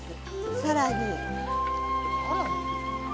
さらに。